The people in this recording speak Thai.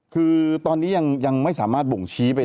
คือตอนนี้ยังไม่สามารถบ่งชี้ไป